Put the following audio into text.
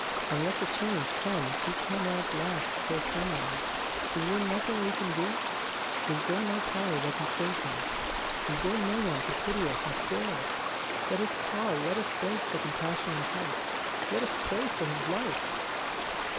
Unless a change comes he cannot last till sunrise. Is there nothing we can do? Is there no power that can save him? Is there no one to pity us and spare us? Let us call, let us beg for compassion and help; let us pray for his life!"